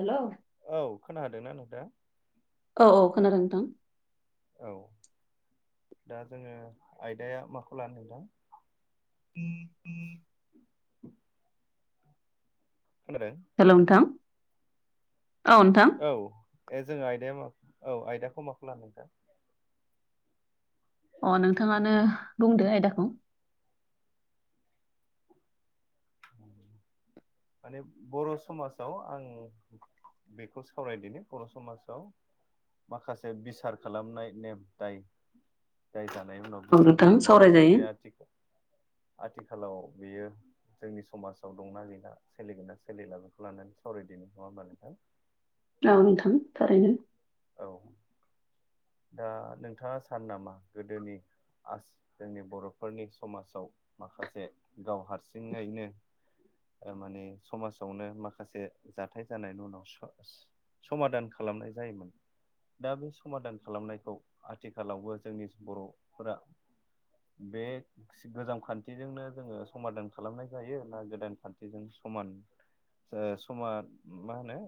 Hello औ खोनादोंना नोंथां औ औ खोनादों नोंथां औ दा जोङो आयदाया माखौ लानो नोंथां [inaudible] खोनादों हेलौ नोंथां औ नोंथां औ ए जोङो आयदाया मा औ आयदाखौ माखौ ला नोंथां अ नोंथाङानो बुंदो आयदाखौ माने बर' समाजाव आं बेखौ सावरायदिनि बर' समाजाव माखासे बिसार खालामनाय नेम दाय दाय जानाय उनाव औ गोथार नोंथां खालामनाय सावरायजायो बे आथि आथिखालाव बियो जोंनि समाजाव दंना गैला सोलिगोनना सोलिला बेखौ लानानै सावरायदिनाय नङा होमबा नोंथां औ नोंथां थारैनो औ दा नोंथाङा सान नामा गोदोनि आस जोंनि बर'फोरनि समाजाव माखासे गावहार सिंङैनो माने समाजावनो माखासे जाथाय जानायनि उनाव समादान खालामनाय जायोमोन। दा बे समादान खालामनायखौ आथिखालावबो जोंनि बर'फोरा बे गोजाम खान्थिजोंनो जोङो समादान खालामनाय जायो ना गोदान खान्थिजों समान समा मा होनो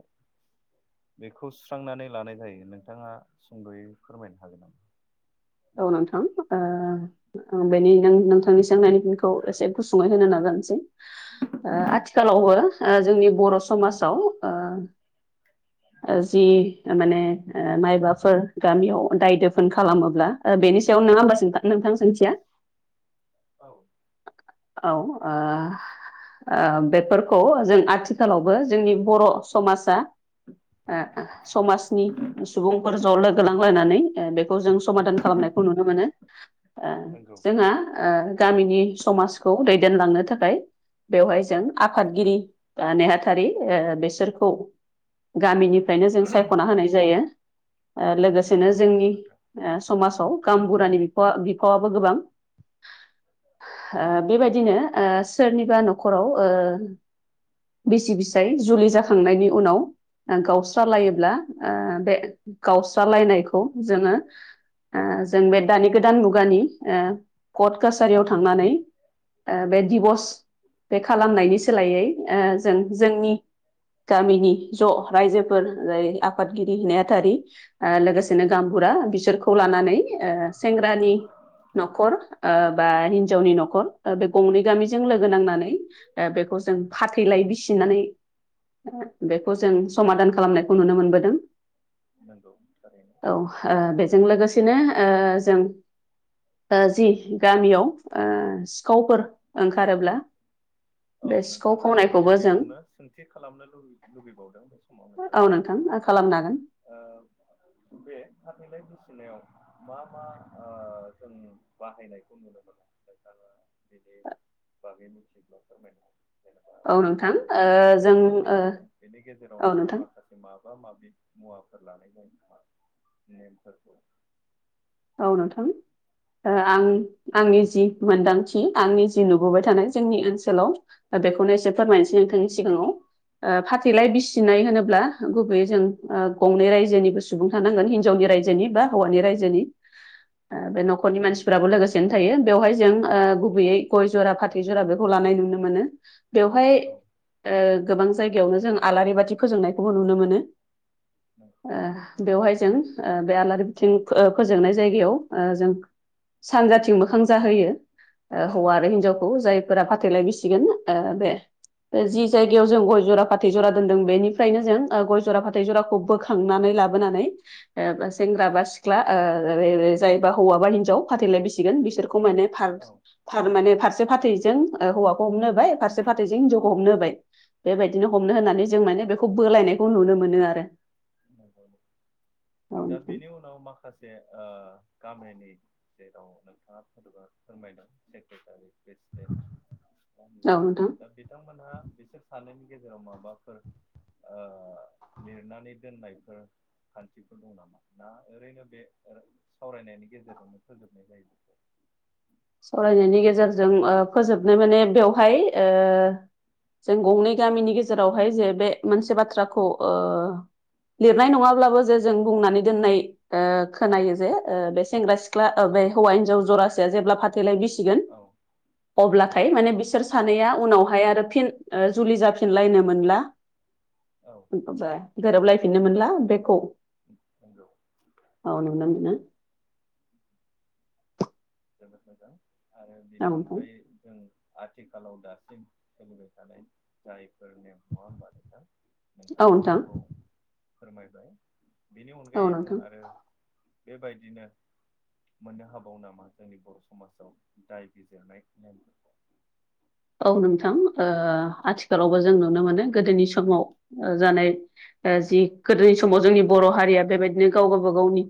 बेखौ सुस्रांनानै लानाय जायो नोंथाङा सुंद'यै फोरमायनो हागोन नामा? औ नोंथां बेनि नोंथांनि सोंनायनि खौ एसे गुसुङै होनो नाजानसै आथिखालावबो जोंनि बर' समाजाव जि माने माइबाफोर गामियाव दाय दोफोन खालामोब्ला बेनि सायाव नङा होमबा नोंथां सोंथिया औ औ ओ बेफोरखौ जों आथि आथिखालावबो जोंनि बर' समाजा समाजनि सुबुंफोर ज' लोगो लांलायनानै बेखौ जों समादान खालाम खालामनायखौ नुनो मोनो नंगौ जोंहा ओ गामिनि समाजखौ दैदेनलांनो थाखाय बेवहाय जों आफादगिरि नेहा थारि बेसोरखौ गामिनिफ्रायनो जों सायख'ना होनाय जायो। औ लोगोसेनो नंगौ जोंनि नोंथां ओ समाजाव गामबुरानि बिफाव बिफावाबो गोबां ओ बेबायदिनो सोरनिबा न'खराव ओ बिसि बिसाय जुलि जाखांनायनि उनाव गावस्रालायोब्ला ओ बे गावस्रालायनायखौ जोङो ओ जों बे दानि गोदान मुगानि कर्ट कासारियाव थांनानै बे दिभर्स बे खालामनायनि सोलायै जों जोंनि गामिनि ज' रायजोफोर जाय आफादगिरि नेहाथारि लोगोसे बिनो गामबुरा बिसोरखौ लानानै सेंग्रानि न'खर बा हिनजावनि न'खर बे गंनै गामिजों औ लोगो नांनानै बेखौ जों फाथैलाय बिसिनानै बेखौ जों समादान खालामनायखौ नुनो मोनबोदों। नंगौ थारैनो। औ बेजों लोगोसेनो जों जि गामियाव सिखावफोर ओंखारोब्ला औ बे सिखाव नोंथां आं मोनसे खावनायखौबो जों बेयावनो सोंथि खालामनो लुबै लुबैबावदों बे समाव नोंथांनो। खालामनांगोन। बे फाथैलाय बुसिनायाव मा मा जों ओ बाहायनायखौ नुनो मोनो नोंथाङा बिनि बागै मोनथिगौब्ला फोरमायना जेनेबा औ जों नोंथां ओ जों फाथैलायखौथ' ओ बिसियो बेनि औ गेजेरावनो जों नोंथां माखासे माबा माबि मुवाफोर लानाय जायो नोंहा नेमफोरखौ औ नोंथां आं आंनि जि मोनदांथि आंनि जि जि नुबोबाय औ थानाय जोंनि ओनसोलाव दा बेखौनो एसे फोरमायनोसै नोंथांनि सिगाङाव। फाथैलाय बिसिनाय होनोब्ला गुबैयै जों गंनै रायजोनिबो सुबुं थानांगोन हिनजावनि रायजोनि बा हौवानि रायजोनि औ बे नख न'खरनि मानसिफोराबो लोगोसेनो थायो बेवहाय जों गुबैयै गय जरा फाथै जरा बेखौ लानाय नुनो मोनो। बेवहाय औ गोबां जायगायावनो जों आलारि बाथि फोजोंनायखौबो नुनो मोनो। ओ-बेवहाय जों ओ-बे आलारि बिथिं फोजोंनाय जायगायाव ओ-जों सानजाथिं मोखां जाहोयो। हौवा आरो औ हिनजावखौ जायफोरा फाथैलाय बिसिगोन बे। जि जायगायाव जों गय जरा फाथै जरा दोनदों बेनिफ्रायनो जों ओ-गय जरा फा थै जराखौ बोखांनानै लाबोनानै ओ-सेंग्रा बा सिख्ला ओ-जायबा हौवा बा हिनजाव फाथैलाय बिसिगोन बिसोरखौ माने फार औ थार माने फारसे फाथैजों ओ-हौवाखौ हमनो होबाय फारसे फाथैजों हिनजावखौ हमनो होबाय। बेबायदिनो हमनो औ होननानै जों माने बेखौ बोलायनायखौ नुनो मोनो आरो। औ दा नोंथां बेनि उनाव माखासे ओ गामिनि। जेराव नोंथाङा फदबा फोरमायदों सेक्रेटारि फ्रेम देन ना होमब्ला औ नोंथां दा बिथांमोनहा बिसोर सानैनि गेजेराव माबाफोर ओ लिरनानै दोननायफोर खान्थिफोर दं नामा नाओरैनो बे सावरायनायनि गेजेरजोंनो फोजोबनाय जायो? बेखौ सावरायनायनि गेजेरजों ओ-फोजोबनाय माने बेवहाय ओ जों गंनै गामिनि गेजेरावहाय जे बे मोनसे बाथ्राखौ ओ- लिरनाय नङाब्लाबो जे जों बुंनानै दोननाय। ओ खोनायो जे ओ-बे सेंग्रा सिख्ला ओ-बे हौवा हिन्जाव जरासेया जेब्ला फाथ थैलाय बिसिगोन औ नंगौ अब्लाथाय माने बिसोर सानैया उनावहाय आरो फिन ओ-जुलि जाफिनलायनो मोनला। औ [unintelligible] गोरोबलायफिननो मोनला बेखौ। नोंगौ औ नुनो मोनो। जोबोद मोजां आरो औ बेनि नोंथां अनगायै जों आथिखालाव दासिम सोलिबाय थानाय। जायफोर नेम नङा होनबा नोंथा औ नोंथाङा नोंथां बेखौ फोरमायबाय बेनि औ अनगायै जों नोंथां आरो बेबायदिनो मोननो हाबाव नामा जोंनि बर' समाजाव? दायबिजिरनाय नेम? औ नोंथां आथिखालावबो जों नुनो मोनो गोदोनि समाव ओ-जानाय। ओ-जि गोदोनि समाव जोंनि बर' हारिया बेबायदिनो गाव गाबा गावनि।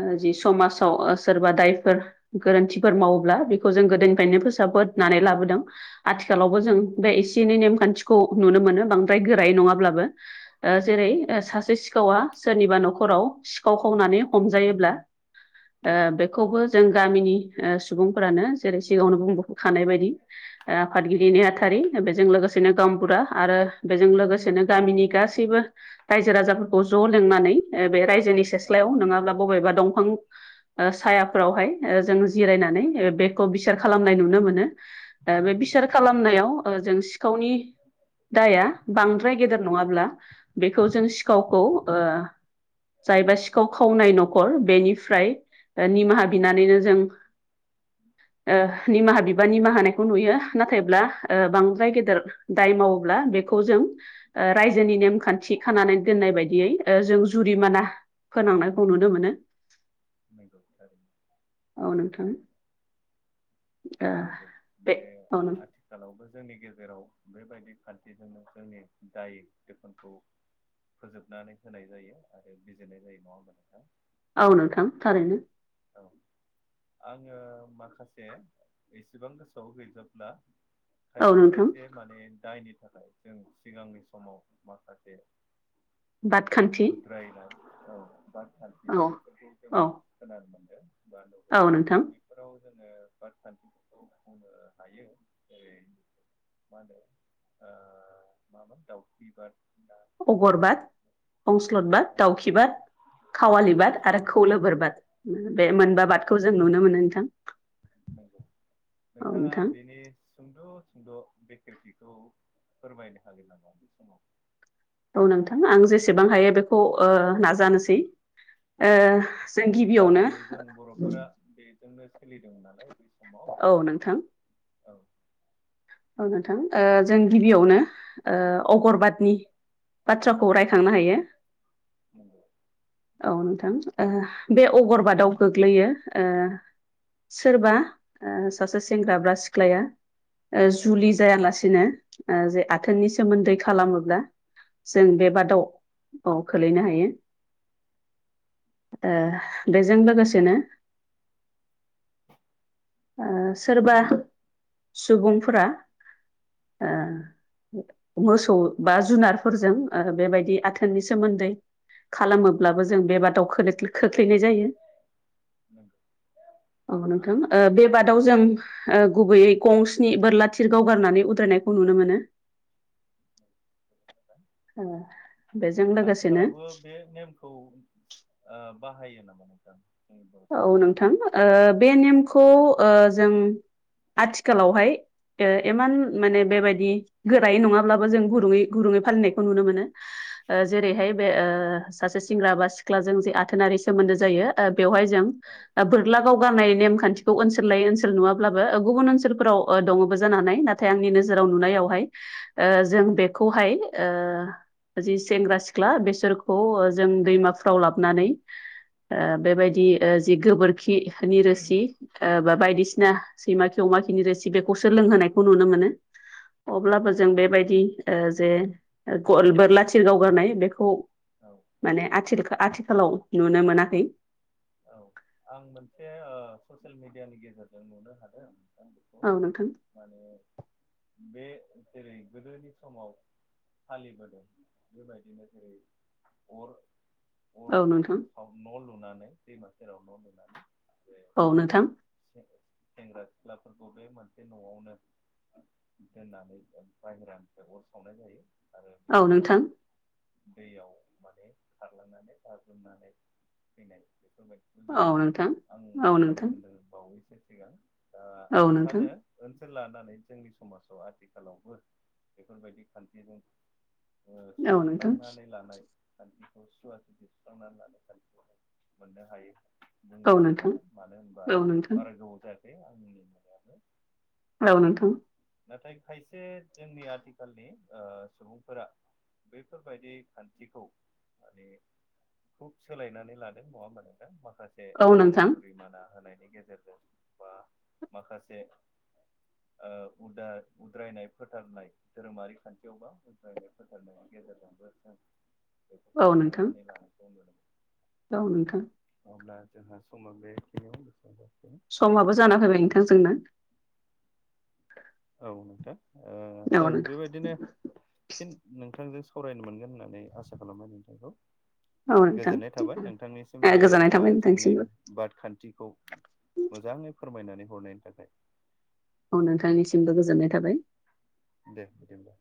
ओ जि समाजाव ओ सोरबा दायफोर गोरोन्थिफोर मावोब्ला बेखौ जों गोदोनिफ्रायनो फोसाब बोनानै लाबोदों। आथिखालावबो जों बे एसे एनै नेमखान्थिखौ नुनो मोनो बांद्राय गोरायै नङाब्लाबो। जेरै औ सासे सिखावा सोरनिबा न'खराव सिखाव खावनानै हमजायोब्ला। ओ- बेखौबो जों गामिनि ओ-सुबुंफोरानो जेरै सिगाङावनो बुंबोखानाय बायदि। ओ-आफादगिरि नेहाथारि बेजों लोगोसेनो गावबुरा आरो बेजों लोगोसेनो गामिनि गासैबो रायजो राजाफोरखौ ज' लिंनानै ओ-बे रायजोनि औ सेस्लायाव नङाब्ला बबेबा दंफां ओ-सायाफ्रावहाय ओ-जों जिरायनानै बेखौ बिसार खालामनाय नुनो मोनो। ओ-बे बिसार नंगौ थारै खालामनायाव ओ-जों सिखावनि। दाया बांद्राय गेदेर नङाब्ला बेखौ जों सिखावखौ ओ- जायबा सिखाव खावनाय न'खर बेनिफ्राय। ओ-निमाहा बिनानैनो जों ओ-निमाहा बिबा निमाहा होनाय खौ नुयो नाथायब्ला ओ-बांद्राय गेदेर दाय मावोब्ला बेखौ जों। ओ-रायजोनि नेमखान्थि खानानै दोननाय बायदियै ओ-जों जुरिमाना फोनांनायखौ नुनो मोनो। नंगौ थारै औ नोंथां ओ नंगौ बे औ नों हाथ आथिखालावबो जोंनि गेजेराव बेबायदि खान्थिजोंनो जोंनि दाय दोफोनखौ फोजोबनानै होनाय जायो आरो बिजिरनाय जायो नङा होमबा नोंथां? औ नोंथां थारैनो। औ। आङो माखासे एसेबां गोसोआव गैजोबला औ खायसे नोंथां खायसे माने दायनि थाखाय जों सिगांनि समाव माखासे बादखान्थि दायना औ बादखान्थि औ बेफोरखौ जों औ खोनानो मोनदो बा नुबोदो औ नोंथां दा बि फोराव जोङो बादखान्थिफोरखौ मावनो हायो जेरै मा होनो ओ माबा दाउखिबाद ना अगरबाद अगर अंस्लदबाद दाउखिबाद खावालिबाद आरो खौलोबोरबाद बे मोनबा बाद बादखौ जों नुनो मोनो नोंथां। नंगौ औ नोंथाङा नोंथां बेनि सुंद' सुंद' बेखेवथिखौ फोरमायनो हागोन नामा बे समाव? औ नोंथां आं जेसेबां हायो बेखौ ओ नाजानोसै। ओ औ जों माने गिबियावनो गाहायै जों बर'फोरा बेजोंनो सोलिदों नालाय बे औ नोंथां। ओ जों गिबियावनो ओ अगरबादनि बाथ्राखौ रायखांनो हायो। नंगौ। औ नोंथां बे ओ अगरबादाव गोग्लैयो ओ सोरबा ओ सासे सेंग्रा ब्रा सिख्लाया औ नंगौ जुलि जायालासिनो ओ जे आथोननि सोमोन्दै खालामोब्ला जों बे नंगौ बादावाव औ खोलैनो हायो। ओ बेजों लोगोसेनो ओ सोरबा सुबुंफोरा ओ मोसौ बा जुनार फोरजों आरो बेबायदि औ आथोननि सोमोन्दै खालामोब्लाबो जों बे बादाव खोलैख्लो खोख्लैनाय जायो। नोंगो। औ नोंथां ओ बे बादाव जों गुबैयै कंस स्नि बोरला थिर गावगारनानै उद्रायनायखौ नुनो मोनो। नंगौ औ। आथिखालावबो बे नेमखौ ओ बाहायो नामा नोंथां? जोंनि बर' औ समाजाव नोंथां ओ बे नेमखौ ओ जों आथिखालावहाय ओ एमान माने बेबायदि गोरायै नङाब्लाबो जों गुरुयै गुरुङै औ फालिनायखौ नुनो मोनो। ओ जेरैहाय बे ओ सासे सेंग्रा बा सिख्लाजों जे आथोनारि सोमोन्दो जायो ओ बेवहाय जों औ ओ बोर ला गावगारनाय नेमखान्थिखौ ओनसोल लायै ओनसोल नुयाब्लाबो गुबुन ओनसोलफोराव ओ दङबो जानानै नाथ नाथाय आंनि नोजोराव नुनायावहाय ओ जों बेखौहाय ओ जि सेंग्रा सिख्ला बेसोरखौ ओ जों दैमाफ्राव लाबनानै ओ बेबायदि ओ जि गोबोरखिनि रोसि ओ बा बायदिसिना सैमा खि अमा खिनि रोसि बेखौसो लोंहोनायखौ नुनो मोनो। अब्लाबो जों बेबायदि ओ जे बोरला थिर गावगारनाय बेखौ औ। माने आथिल आथिखालाव नुनो मोनाखै। औ आं मोनसे ओ ससियेल मिडियानि गेजेरजों नुनो हादों नोंथां बेखौ औ नोंथां। माने बे जेरै गोदोनि समाव फालिबोदों बेबायदिनो जेरै अर औ नोंथां अर न' लुनानै दैमा सेराव न' लुनानै आरो औ नोंथां से-सेंग्रा सिख्लाफोरखौ बे मोनसे नआवनो दोननानै बाहेरानिफ्राय अर सावनाय जायो आरो बेनि उनाव नोंथां दैयाव माने खारलांनानै गाग्लोमनानै फैनाय बेफोरबायदि औ जों नोंथां आं औ नुनो नोंथां मोनदों बावैसो सिगां दा औ आं नोंथां सानो औ ओनसोल लानानै जोंनि समाजाव आथिखालावबो बेफोरबायदि खान्थिजों ओ नोंथां औ सुस्रांनानै लानाय खान्थिखौ सुवा सुथि सुस्रांनानै लानो खान्थिखौ मोननो हायो। दोंब्लाबो नोंथां जागोन मानो होनबा औ नोंथां बारा गोबाव जायाखै आंनि माने औ नोंथां नाथाय खायसे जोंनि आथिखालनि ओ सुबुंफोरा बैफोरबायदि खान्थिखौ माने खुब सोलायनानै लादों नंङा होमबा नोंथां माखासे औ रां नोंथां जुरिमाना होनायनि गेजेरजों बा माखासे ओ उदा उद्रायनाय फोथारनाय धोरोमारि खान्थियावबा [unintelligible] फोथारनाया गेजेरजोंबो बेफोरखौ औ नोंथां औ नोंथां सुस्रांनानै लानायखौ नुदों। औ नोंथां अब्ला जोंहा समा बेखिनियावनो [unintelligible] समाबो जाना फैबाय नोंथां जोंना औ नोंथां ओ औ जों नोंथां बेबायदिनो फिन नोंथांजों सावरायनो मोनगोन होननानै आसा खालामबाय नोंथांखौ। औ नोंथां गोजोननाय थाबाय नोंथांनिसिम बे गोजोननाय ओ थाबाय जोंनि नोंथांसिमबो बाद खान्थिखौ मोजांङै फोरमायनानै हरनायनि थाखाय। औ नोंथांनिसिमबो गोजोननाय थाबाय। दे बिदिब्ला